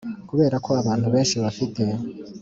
Kubera ko abantu benshi bafite